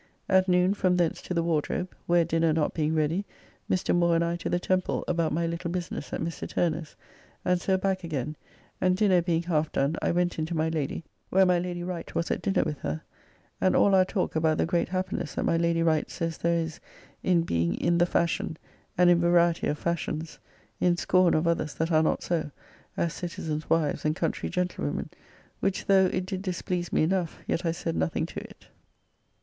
At noon from thence to the Wardrobe, where dinner not being ready Mr. Moore and I to the Temple about my little business at Mr. Turner's, and so back again, and dinner being half done I went in to my Lady, where my Lady Wright was at dinner with her, and all our talk about the great happiness that my Lady Wright says there is in being in the fashion and in variety of fashions, in scorn of others that are not so, as citizens' wives and country gentlewomen, which though it did displease me enough, yet I said nothing to it.